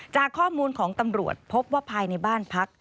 จากข้อมูลของตำรวจพบว่าภายในบ้านพัก